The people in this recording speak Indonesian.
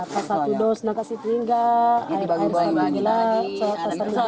pasar tudos kasih singkat air air sebagainya pasar tudos